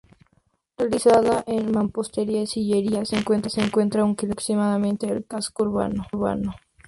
Realizada en mampostería y sillería, se encuentra a un km aproximadamente del casco urbano.